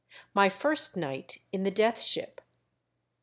MY FIRST NIGHT IN THE DEATH SHIP.